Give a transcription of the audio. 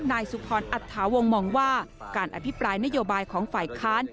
นายสุพรอัตถาวงมองว่าการอภิปรายนโยบายของฝ่ายค้าน